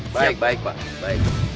baik baik pak